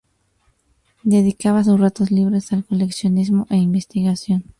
Dedicaba sus ratos libres al coleccionismo e investigación.